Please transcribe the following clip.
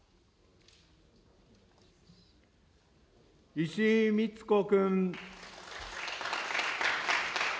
石井苗子君。